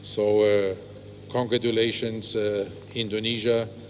jadi kemahiran terima kasih kepada indonesia